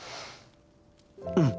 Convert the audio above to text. うん。